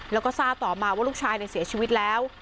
แล้วก็ทราบต่อมาว่าลูกชายเสียชีวิตแล้ว